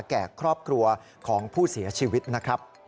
แก่ครอบครัวของผู้เสียชีวิตนะครับ